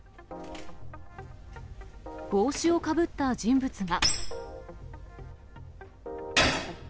帽子をかぶった人物が。